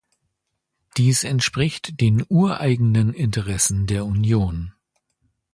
Dies entspricht den ureigenen Interessen der Union.